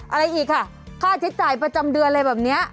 อะไรอีกอ่ะค่าใช้จ่ายประจำเดือนอะไรแบบนี้